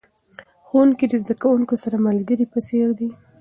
ښوونکي د زده کوونکو سره د ملګري په څیر دي.